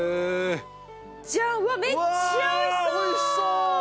めっちゃ美味しそう！